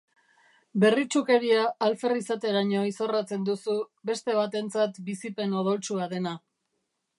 Berritsukeria alfer izateraino izorratzen duzu beste batentzat bizipen odoltsua dena.